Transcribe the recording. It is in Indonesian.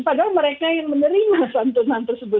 padahal mereka yang menerima santunan tersebut